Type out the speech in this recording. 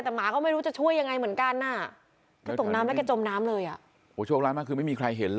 แต่หมาก็ไม่รู้จะช่วยยังไงเหมือนกันเลยช้ากล้อนมากคือไม่มีใครเห็น